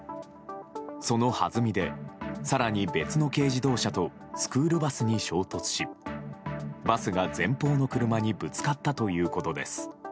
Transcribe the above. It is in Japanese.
そのはずみで更に別の軽自動車とスクールバスに衝突しバスが前方の車にぶつかったということです。